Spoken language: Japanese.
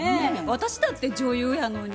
私だって女優やのに。